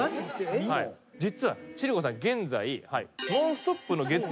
実は千里子さん現在。